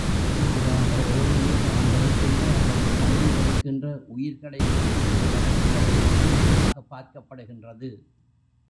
மாறாக, ஓருயிர் தான் வெறுக்கின்ற, அல்லது தன்னை வெறுக்கின்ற, உயிர்களை வெற்றியோடு அடக்குவதே உண்ணுதலாகப் பார்க்கப்படுகின்றது.